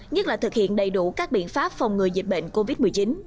nhất là thực hiện đầy đủ các biện pháp phòng ngừa dịch bệnh covid một mươi chín